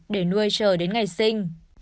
để nuôi chờ đến ngày sinh